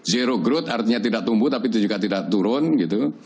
zero growth artinya tidak tumbuh tapi itu juga tidak turun gitu